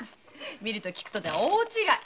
見ると聞くとは大違い。